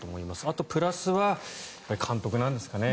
あとプラスは監督なんですかね